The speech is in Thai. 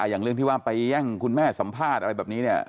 อย่างเรื่องที่ว่าไปแย่งคุณแม่สัมภาษณ์อะไรแบบนี้เนี่ย